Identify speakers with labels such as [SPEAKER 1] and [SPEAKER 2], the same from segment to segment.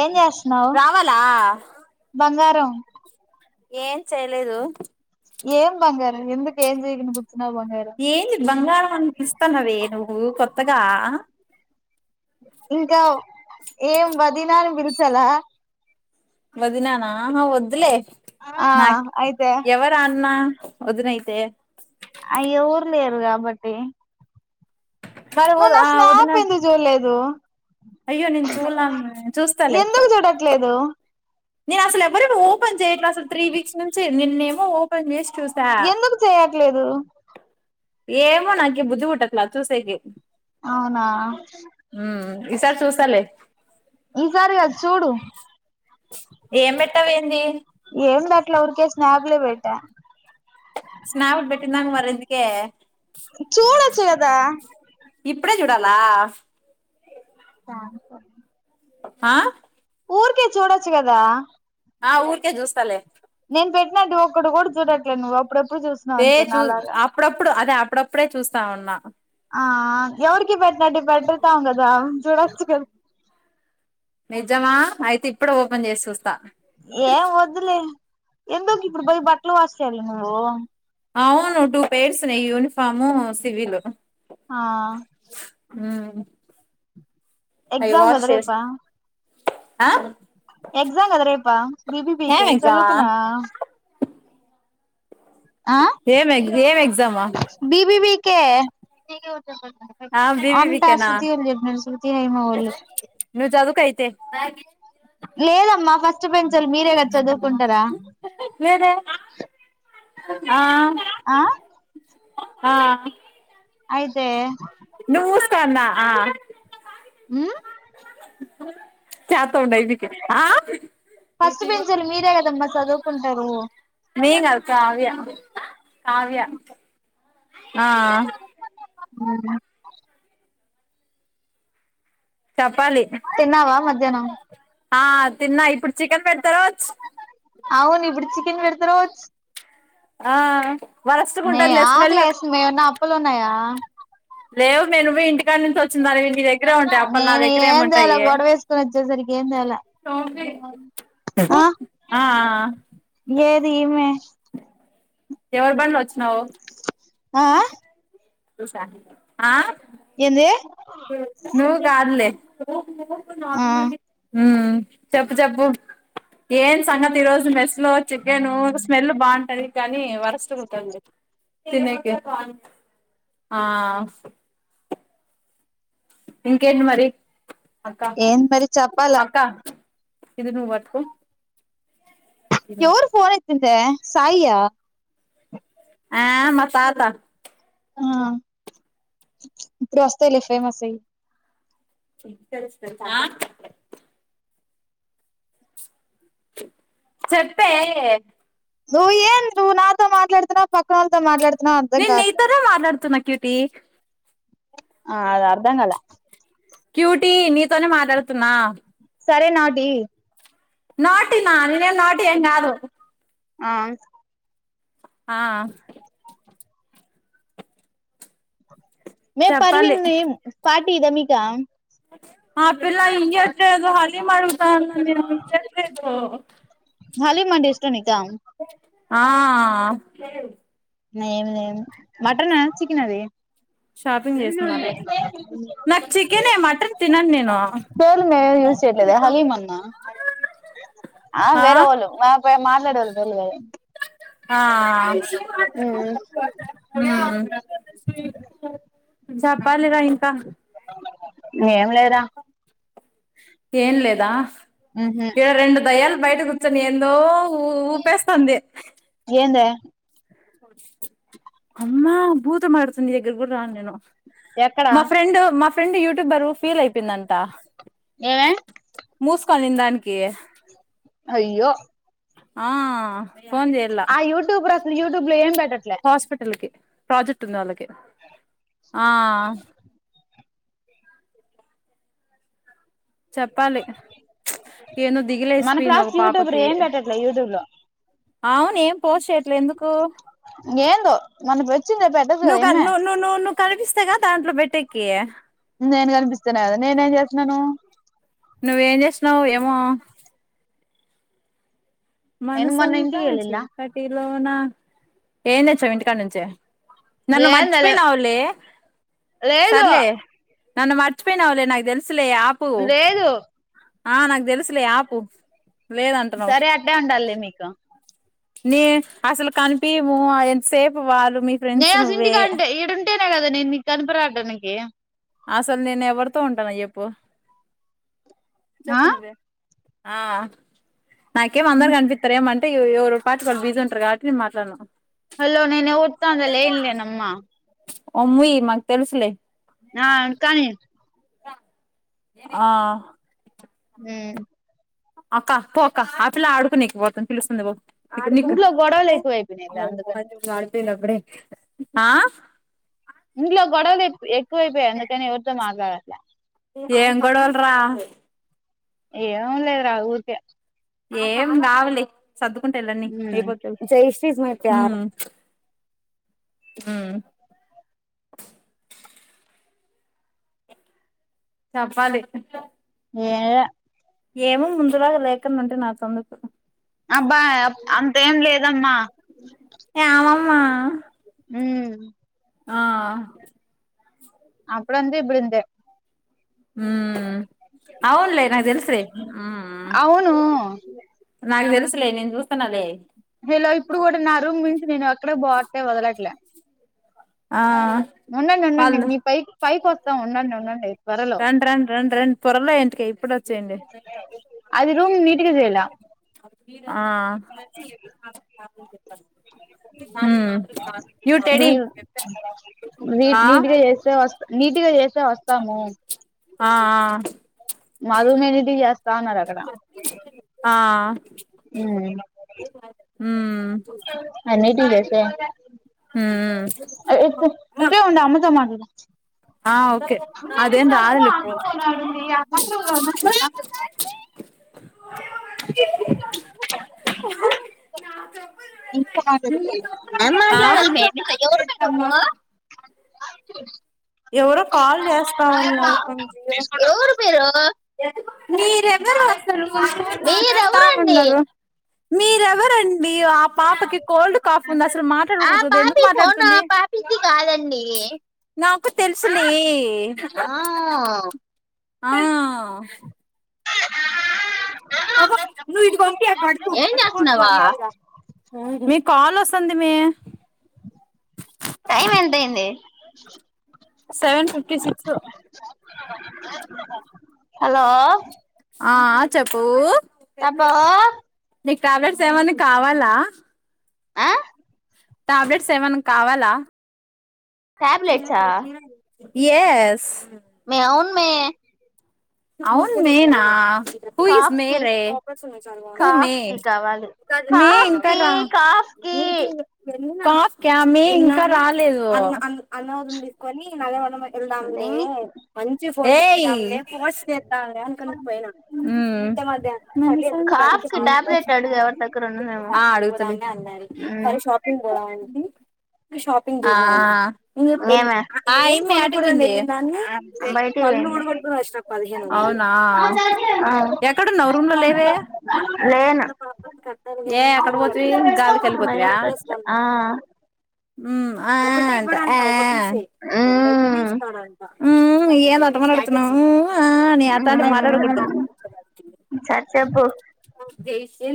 [SPEAKER 1] ఏం చేస్తన్నావ్
[SPEAKER 2] రావాలా
[SPEAKER 1] బంగారం
[SPEAKER 2] ఏం చేయలేదు
[SPEAKER 1] ఏం బంగారు ఎందుకు ఏం చేయగుండ గు
[SPEAKER 2] ఏంది బంగారం అని పిలుస్తున్నవే నువ్వు కొత్తగా
[SPEAKER 1] ఇంకా ఏం వదిన అని పిలిచలా
[SPEAKER 2] వదిననా వద్దులే
[SPEAKER 1] ఆ
[SPEAKER 2] నాకి
[SPEAKER 1] అయితే
[SPEAKER 2] ఎవరు అన్నా వదిన్తేతే
[SPEAKER 1] అయ్యె ఎవరు లేరు గాబట్టి
[SPEAKER 2] మరి
[SPEAKER 1] నువ్ నా
[SPEAKER 2] ఆ వదిన
[SPEAKER 1] స్నాప్ ఎందుకు జూడలేదు
[SPEAKER 2] అయ్యో నేను చూడలా చూస్తాలే
[SPEAKER 1] ఎందుకు జూడట్లేదు
[SPEAKER 2] నేను అసలు ఎవరివి ఓపెన్ చేయట్లే అసలు త్రీ వీక్స్ నుంచి నిన్నేమో ఓ పెన్ జేసి చూసా
[SPEAKER 1] ఎందుకు చేయట్లేదు
[SPEAKER 2] ఏమో నాకి బుద్ధి పుట్టట్లె అది చూసెకి
[SPEAKER 1] అవునా
[SPEAKER 2] ఇసారి చూస్తాలే
[SPEAKER 1] ఈసారి గాదు చూడు
[SPEAKER 2] ఏం పెట్టావేంది
[SPEAKER 1] ఏం బే ట్లె ఊరికే స్నాప్ లే పెట్టా
[SPEAKER 2] స్నాప్ పెట్టనిదానికి మరెందుకే
[SPEAKER 1] చూడొచ్చు కదా
[SPEAKER 2] ఇప్పుడే చూడాలా
[SPEAKER 1] స్నాప్
[SPEAKER 2] ఆ
[SPEAKER 1] ఊరికే చూడొచ్చు గదా
[SPEAKER 2] ఆ ఊరికే చూస్తాలే
[SPEAKER 1] నేను పెట్టినట్టి ఒక్కటి గూడా జూడట్లేదు నువ్వు అప్పుడెప్పు
[SPEAKER 2] ఏ చూ అప్పుడప్పుడు అదే అప్పుడప్పుడే చూస్తా ఉన్నా
[SPEAKER 1] ఆ ఎవరికి బెట్టినట్టె పెడతాం గదా చూడొచ్చు
[SPEAKER 2] నిజమా అయితే ఇప్పుడే ఓపెన్ చేసి చూస్
[SPEAKER 1] ఏం వద్దులే ఎందుకు ఇప్పుడు పోయి బట్టలు వాష్ చేయాల నువ్వు
[SPEAKER 2] అవును టూ పేర్స్ ఉన్నయ్ యూనిఫాము సివిలు
[SPEAKER 1] ఆ
[SPEAKER 2] ఊహ్
[SPEAKER 1] ఎగ్జామ్ గదా, రేపా?
[SPEAKER 2] ఆ
[SPEAKER 1] ఎగ్జామ్ గద రేపా?
[SPEAKER 2] ఏం
[SPEAKER 1] బిబిబీకే
[SPEAKER 2] ఎగ్జామా
[SPEAKER 1] చదువుకున్నావా?
[SPEAKER 2] ఏం ఎగ్జ్ ఏం ఎగ్జామ్
[SPEAKER 1] బీబీ బీకే
[SPEAKER 2] ఆ బీబీ బీకేనా
[SPEAKER 1] చెప్పినారు శృతి హేమ వాళ్ళు
[SPEAKER 2] నువ్ జదువుకో ఐతే [unintelligible]
[SPEAKER 1] లేదమ్మా ఫస్ట్ బెంచల్ మీరే కద చదువుకుంటరా?
[SPEAKER 2] రా ఆ
[SPEAKER 1] ఆ
[SPEAKER 2] ఆ
[SPEAKER 1] అయితే
[SPEAKER 2] నువ్వు మూసుకో అన్న [inaudible]
[SPEAKER 1] ఊ
[SPEAKER 2] చేత్త ఉండు అయితే [unintelligible]
[SPEAKER 1] ఫస్ట్ బెంచీలు మీరే గదమ్మా చదువుకుంటారూ?
[SPEAKER 2] నేన్ గాదు కావ్య కావ్య ఆ
[SPEAKER 1] సపోట
[SPEAKER 2] చప్పాలి.
[SPEAKER 1] శనం
[SPEAKER 2] ఆ తిన్నా ఇప్పుడు చికెన్ పెడతా
[SPEAKER 1] అవును, ఇప్పుడు చికిన్ పెడతరోచ్.
[SPEAKER 2] ఆ వరస్ట్ గా
[SPEAKER 1] మీ
[SPEAKER 2] ఉంటది లే స్మెల్
[SPEAKER 1] ఆకలేస్తుంది గనీ అప్పులున్నాయా?
[SPEAKER 2] లేవు నువ్వే ఇంటికానుంచి ఒచ్
[SPEAKER 1] ఒ అక్కా నేను ఏం తేలె.
[SPEAKER 2] ఏముంటాయే
[SPEAKER 1] గొడవేసుకుని ఒచ్చేసరికి ఏం తేల. నుమన్
[SPEAKER 2] ఆ ఆ
[SPEAKER 1] ఏది ఈమే
[SPEAKER 2] ఎవరు బండ్లో ఒచ్చిన్నావ్?
[SPEAKER 1] ఆ
[SPEAKER 2] ఆ
[SPEAKER 1] ఏందీ?
[SPEAKER 2] నువ్ గాదులే
[SPEAKER 1] ఆ
[SPEAKER 2] చెప్పు చెప్పు ఏం సంగతి ఈ రోజు మెస్లో చికెనూ స్మెల్ బాఉంటది. కనీ వరస్ట్గుంటోంది తినేకి [unintelligible] ఇంకేంటి మరీ, అక్క!
[SPEAKER 1] ఏంది మరి చెప్పాల
[SPEAKER 2] అక్కా! ఇది నువ్ బట్టుకో.
[SPEAKER 1] ఎవరు ఫోన్ ఎత్తిందీ సాయి యా?
[SPEAKER 2] ఆ మా తాత.
[SPEAKER 1] ఆ ఇప్పుడు ఓస్తయి లే ఫేమస్ అయ్.
[SPEAKER 2] ఇత్తడి సెంబ్ ఆ? చెప్పే.
[SPEAKER 1] నువ్వు ఏం, నువ్ నాతో మాట్లాడుతున్నవ? ప్రక్కవాళ్ళతో మాట్లాడు
[SPEAKER 2] నేన్ నీతోనే మాట్లాడుతున్న క్యూటి
[SPEAKER 1] ఆ అది అర్ధం గాల.
[SPEAKER 2] క్యూటీ నీతోనే మాట్లాడుతున్నా.
[SPEAKER 1] సరే నాటీ.
[SPEAKER 2] నాటి నా! నేనెం నాటి ఏంగాదు.
[SPEAKER 1] ఆ
[SPEAKER 2] ఆ
[SPEAKER 1] నె
[SPEAKER 2] చెప్పాలి
[SPEAKER 1] పర్వీన్ నేమ్ పాటీ ఇద మీకు
[SPEAKER 2] [unintelligible]
[SPEAKER 1] హలీమ్ అంటే ఇష్టమ నీకు
[SPEAKER 2] ఆ
[SPEAKER 1] ఏమి లేం మటన్ చికెన్ అది
[SPEAKER 2] షాపింగ్ చేస మళ్ళా నాకు చికెన్ మటన్ తినను నేను
[SPEAKER 1] పేలు మేము యూజ చేయట్లేదు హలీ మన్నా
[SPEAKER 2] ఆ
[SPEAKER 1] వేరే వాళ్ళు మాట్లాడవల్ వెల్
[SPEAKER 2] ఆ
[SPEAKER 1] అ
[SPEAKER 2] చేప్పాలిగా ఇంకా
[SPEAKER 1] ఏం లేద
[SPEAKER 2] ఏం లేదా
[SPEAKER 1] ఉహు
[SPEAKER 2] ఇడ రెండు దయాలు బయట కూర్చొని ఏందో ఊ ఉపస్ పంద
[SPEAKER 1] ఏందే
[SPEAKER 2] అమ్మా భూతమాతునుదగర కూడా రాన్ నేను
[SPEAKER 1] ఎక్కడా
[SPEAKER 2] మా ఫ్రెండ్ మా ఫ్రెండ్ యుట్యూబ్ బరు ఫీల్ అయిపోంద అంత
[SPEAKER 1] ఏమే
[SPEAKER 2] మూసుకోఅందానికి
[SPEAKER 1] అయ్యో
[SPEAKER 2] ఆ ఫోన్ చేలా
[SPEAKER 1] యుబ్లేమ్ పెట్ట
[SPEAKER 2] హాస్పిటల్కి ప్రాజెక్ట్ ఉంది వాళ్ళకి ఆ చెప్పాలి ఏన్నో
[SPEAKER 1] మన
[SPEAKER 2] దిగిలేసిపోయింది
[SPEAKER 1] క్లాస్
[SPEAKER 2] ఒక
[SPEAKER 1] యూట్యూబర్
[SPEAKER 2] పాపకి
[SPEAKER 1] ఏం పెట్టట్లే యూట్యూబ్ లో
[SPEAKER 2] అవును ఏం పోస్ చేయట్లే ఎందుకు
[SPEAKER 1] ఇంక ఏందో మన వచ్చింద పెట్టదు కదా ఏమే
[SPEAKER 2] కనిపిస్తాయి కద దాంట్లో బ పెట్టెకి
[SPEAKER 1] నేను కనిపిస్తన్నా కదా నేనే ఏం చేస్తున్నాను
[SPEAKER 2] నువ్వేం చేసినవు్ ఏమో
[SPEAKER 1] నేను మొన్న
[SPEAKER 2] మనసంతా
[SPEAKER 1] ఇంటికి వెళ్ళిలా
[SPEAKER 2] చీకటిలో నా ఏం తెచ్చావు ఇంటికాడ నుంచే నన్న మర్చపోయి
[SPEAKER 1] ఏందలే
[SPEAKER 2] నావలి
[SPEAKER 1] లేదు
[SPEAKER 2] సర్లే నన్ను మర్చిపోయినవలే నాకు తెలుసులే ఆపు
[SPEAKER 1] లేదు
[SPEAKER 2] ఆ నాంగ్ తెలుసులే ఆపు లేదంటున్నావు
[SPEAKER 1] సరే అట్టే ఉండాలి మీకు
[SPEAKER 2] నే అసలు కనిపింము ఎంతసేపు వాళ్ళు మీ ఫ్రెండ్స్
[SPEAKER 1] నేను అస
[SPEAKER 2] నువ్వే
[SPEAKER 1] ఇంటికి అంటే ఇడుంటేనే కదా నేను కనిపరాడానికి
[SPEAKER 2] అసలు నేను ఎవరితో ఉంటాను చెప్పు
[SPEAKER 1] ఆ
[SPEAKER 2] చెప్పు నువ్వే ఆ నాకే మందర కంపితార మంత అ ఎవరు పాటు వాళ బీజు ఉంటారు అటి మాట్లాడనా
[SPEAKER 1] హలో నేనే ఉఊర్తా అందల ఇల్లే నమ్మ
[SPEAKER 2] ముయి మగ తెల్సులే
[SPEAKER 1] కాని
[SPEAKER 2] ఆ
[SPEAKER 1] హ
[SPEAKER 2] అక్క పో అక్క ఆ పిల్ల ఆడుకునేకి పోతాను పిలుస్తుంది పో
[SPEAKER 1] ఇంట్లో గొడవలు ఎక్కువైపోయినాయిలే అందుకని
[SPEAKER 2] గడతే నబడే ఆ
[SPEAKER 1] ఇంట్లో గొడవలు ఎక్కువైపోయాయి అందుకని ఎవరితో మాట్లాడాలి
[SPEAKER 2] ఏం గోడవల్రా
[SPEAKER 1] ఏం లేదు రా ఊరికే
[SPEAKER 2] ఏం కావాలి సర్దుకుంటే వెళ్ళన్నీ అయిపోత [unintelligible]
[SPEAKER 1] [unintelligible]
[SPEAKER 2] చప్పాలి
[SPEAKER 1] ఏ
[SPEAKER 2] ఏమో ముందులాగా లేక ఉంటే నాదుకు
[SPEAKER 1] అబ్బా అంతేం లేదమ్మా
[SPEAKER 2] ఏమమ్మా
[SPEAKER 1] ఉ
[SPEAKER 2] ఆ
[SPEAKER 1] అప్పుడుంది ఇప్పుడుందే
[SPEAKER 2] ఉ అవున్లే నాకు తెలుసులే
[SPEAKER 1] అవును
[SPEAKER 2] నాకు తెలుసులే నేను చూస్తా
[SPEAKER 1] హలో ఇప్పుడు కూడా నా రూమ్ నుంచి నేను అక్కడే బాట్లే వదలట్లే
[SPEAKER 2] ఆ
[SPEAKER 1] ఉండండి ఉండండి
[SPEAKER 2] వాళ్ళు
[SPEAKER 1] మీ పైకి పైకి వస్తా ఉండండి ఉండండి త్వరలో
[SPEAKER 2] రన్ రన్ రన్ రన్ పొరలో ఇంటికి ఇప్పుడు వచ్చి ఏం చేయ
[SPEAKER 1] అది రూమ్ నీట్గా చేయలే
[SPEAKER 2] ఆ ఆ
[SPEAKER 1] నీట్
[SPEAKER 2] ఆ
[SPEAKER 1] నీట్గా చేస్తే వస్త నీటిగా చేస్తేవాస్తాము
[SPEAKER 2] ఆ ఆ
[SPEAKER 1] మారు మెనిది చేస్త అన్నారటగా
[SPEAKER 2] ఉ
[SPEAKER 1] అ బే ఉండా అమ్మతో మాట్లాడు
[SPEAKER 2] ఆ ఓకే అదేం రాదులే ఇప్పుడు
[SPEAKER 1] [inaudible] ఏం మాట్లాడాలి ఎవరు ఫ్రెండ్
[SPEAKER 2] ఆ
[SPEAKER 1] నువ్వు [inaudible]
[SPEAKER 2] ఎవరో కాల్ చేస్తా ఉన్నారు కొంజీ మీరెవరు వస్తారు ఊరు ఊరు
[SPEAKER 1] మీ
[SPEAKER 2] మాట్లాడస్తా ఉన్నారు మీరెవరండి మీ ఆ పాపకి కోల్డ్ కాఫ్ ఉంది అసలు
[SPEAKER 1] ఆ
[SPEAKER 2] మాట్లాడకూడుతుంది ఎందుకు మాట్లాడుతుంది
[SPEAKER 1] పండి
[SPEAKER 2] నాకు తెలుసులే
[SPEAKER 1] ఆ
[SPEAKER 2] ఆ అగో నువ్ ఇటు పంపియకు అటు పో
[SPEAKER 1] ఏం
[SPEAKER 2] అటుబో
[SPEAKER 1] చేస్తున్నావా
[SPEAKER 2] మర్యాదగా మీక్ కాల్ వస్తుంది మీ
[SPEAKER 1] టైమ్ ఎంతయింది
[SPEAKER 2] సెవెన్ ఫిఫ్టీ సిక్స్
[SPEAKER 1] హలో
[SPEAKER 2] ఆ చెప్పు
[SPEAKER 1] అబ్బా
[SPEAKER 2] నీకు కలర్స్ ఏమని కావాలా
[SPEAKER 1] ఆ
[SPEAKER 2] టాబ్లెట్స్ ఏమన్నా కావాలా
[SPEAKER 1] టాబ్లెట్స్ ఆ
[SPEAKER 2] ఎస్
[SPEAKER 1] మే అవును మే
[SPEAKER 2] అవును మేనా హూ ఇస్
[SPEAKER 1] కాఫ్
[SPEAKER 2] మే
[SPEAKER 1] కి
[SPEAKER 2] రే హూ మే
[SPEAKER 1] కాఫ్ కి కావాలి
[SPEAKER 2] మే
[SPEAKER 1] కాఫ్
[SPEAKER 2] ఇంకా
[SPEAKER 1] కి కాఫ్ కి
[SPEAKER 2] కాస్ క్యామి ఇంకా రాలేదు అన్న వదిన తీసుకొని నదమన వెళ్దాంలే మంచి చేద్దా అనుకని పోయినా ఉ ఇంతే మధ్య
[SPEAKER 1] కాఫ్ కి టాబ్లెట్ అడుగు ఎవరి దగ్గర ఉన్నదేమో
[SPEAKER 2] ఆ అడుగుతానే అన్నారు సరే షాపింగ్ పోదామనేసి షాపింగ్ కి
[SPEAKER 1] ఏమే
[SPEAKER 2] [inaudible] నంత దే
[SPEAKER 1] బయటికి
[SPEAKER 2] పల్లు
[SPEAKER 1] పోయింది
[SPEAKER 2] ఉడ్గట్ అష్ట పదిహేను అవునా
[SPEAKER 1] ఆ
[SPEAKER 2] ఎక్కడున్నవు రూమ్లో లేవే
[SPEAKER 1] లేను
[SPEAKER 2] ఏ ఎక్కడ పోతివి గా వచ్చి వెళ్లి పోతివ
[SPEAKER 1] బయటకి వచ్చా
[SPEAKER 2] వస్తున్నాను
[SPEAKER 1] ఆ
[SPEAKER 2] ఊ ఆ అంట ఆ
[SPEAKER 1] మ్మ్
[SPEAKER 2] ఊ ఏంది అట్ట మాట్టాడుతున్నావ్ ఊ ఆ అని అట్టంతా
[SPEAKER 1] మ్మ్
[SPEAKER 2] మాట్లాడకూడదు
[SPEAKER 1] సరే చెప్పు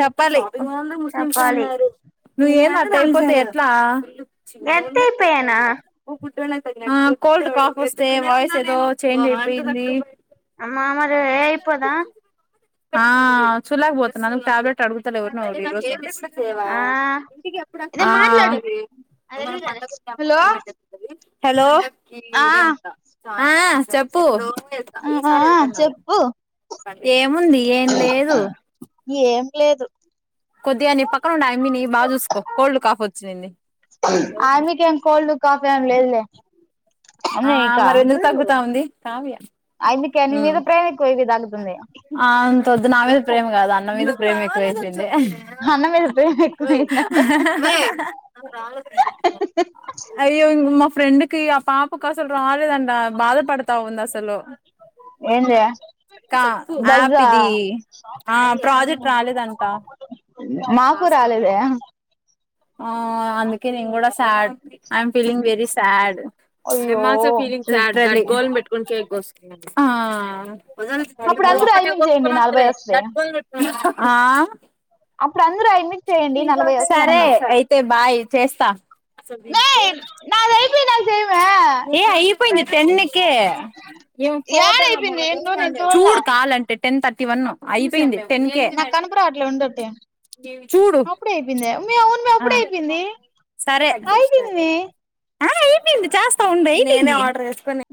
[SPEAKER 2] చెప్పాలి
[SPEAKER 1] చెప్పాలి
[SPEAKER 2] నువ్వు ఏంది అట్లాయిపోతే ఎట్ల చిన్నోళ్ళే
[SPEAKER 1] ఎత్తయిపోయానా
[SPEAKER 2] పెద్దోళ్ళే కోల్డ్ కాప్ వస్తే వాయిస్ ఎదో చేంజ్ అయిపొయింది
[SPEAKER 1] అమ్మా మరి ఏయిపోనా
[SPEAKER 2] ఆ చూళ్లగా పొత్తున్నాను టాబ్లెట్ అడుగుతాలే ఎవరినొ ఒకరిని ఈ
[SPEAKER 1] ఆ
[SPEAKER 2] రోజు
[SPEAKER 1] ఇదే
[SPEAKER 2] ఆ
[SPEAKER 1] మాట్లాడు
[SPEAKER 2] మనం పండగంటే అమ్మ
[SPEAKER 1] హలో
[SPEAKER 2] కొనిబెట్టేంటది
[SPEAKER 1] ఆ
[SPEAKER 2] హాలిడే ఉంటా రోజు వెళ్తా ఈ
[SPEAKER 1] ఆ
[SPEAKER 2] సారి వెళ్తాను మళ్ళీ
[SPEAKER 1] చెప్పు
[SPEAKER 2] ఏముంది ఏం లేదు
[SPEAKER 1] ఏమ్ లేదు
[SPEAKER 2] కొద్దిగా నీ పక్కన ఉండే అమ్మిని బాగా చూసుకో కోల్డ్ కాఫీ వచ్చింది
[SPEAKER 1] అమ్మమీకేమి కోల్డ్ కాఫ్ ఏం లేయదులే
[SPEAKER 2] ఆ మరేందుకు తగ్గుతా ఉంది కావ్య
[SPEAKER 1] ఆమెకి నీ
[SPEAKER 2] ఉ
[SPEAKER 1] మీద ప్రేమ ఎక్కువ ఇవి తాగుతుంది
[SPEAKER 2] ఆ అంత వద్దు నా మీద
[SPEAKER 1] చెప్పు
[SPEAKER 2] ప్రేమ కాదు అన్న మీద ప్రేమ ఎక్కువయ్యిపోయింది యాహ్
[SPEAKER 1] అన్న మీద ప్రేమ
[SPEAKER 2] ఆహ్
[SPEAKER 1] ఎక్కువైందంట
[SPEAKER 2] ఆహ్ ఆహ్ హ అయ్యో ఇంకా మాఫ్ ఫ్రెండ్ కి ఆ పాపకు అసలు రాలేదంట బాధపడతా ఉంది అసలు
[SPEAKER 1] ఏంది య
[SPEAKER 2] కా యాప్ ఇది ఆ ప్రాజెక్ట్ రాలేదంటా
[SPEAKER 1] మాకు రాలేదే
[SPEAKER 2] ఆ అందుకే నేను కూడా sad I'm feeling very sad
[SPEAKER 1] అయ్యో
[SPEAKER 2] I'm also feeling sad goal పెట్టుకుని కేక్ కోసుకో ఆ
[SPEAKER 1] అప్పుడు అందరూ
[SPEAKER 2] ఒక్కటే
[SPEAKER 1] ఐమికి చేయండి నలభై వస్తాయి
[SPEAKER 2] [inaudible] ఆ
[SPEAKER 1] అప్పుడు అందరూ ఐమికి చేయండి నలభై వస్తది
[SPEAKER 2] సరే
[SPEAKER 1] అంటున్నా
[SPEAKER 2] అయితే బాయ్ చేస్తా
[SPEAKER 1] మే నాదయిపోయినాక చేయవే
[SPEAKER 2] ఏ అయిపోయింది టెన్ కే ఏం ఫోటో
[SPEAKER 1] యాడయిపోయింది ఏందో నేను చూడలే
[SPEAKER 2] చూడు కావాలంటే టెన్ థర్టీ వన్ అయిపోయింది టెన్ కే
[SPEAKER 1] నాకు కనపరావట్లే ఉండుంటే
[SPEAKER 2] చూడు
[SPEAKER 1] అప్పుడే అయిపోయింది మే అవును మే
[SPEAKER 2] ఆ
[SPEAKER 1] అప్పుడే అయిపోయింది
[SPEAKER 2] సరే
[SPEAKER 1] అయిపోయింది మే
[SPEAKER 2] ఆ అయిపోయింది చేస్తా ఉండి అయిపొయింది